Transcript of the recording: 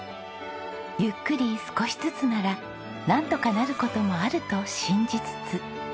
「ゆっくり少しずつなら何とかなることもあると信じつつ」